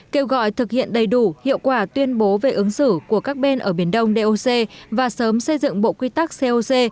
kêu gọi thực hiện đầy đủ hiệu quả tuyên bố về ứng xử của các bên ở biển đông doc và sớm xây dựng bộ quy tắc coc